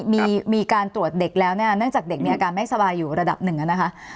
มีการตรวจเด็กแล้วเนี่ยเนื่องจากเด็กมีอาการไม่สบายอยู่ระดับหนึ่งนะคะ